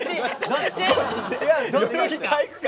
どっちですか？